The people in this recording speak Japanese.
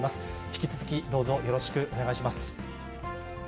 引き続き、どうぞよろしくお願いします。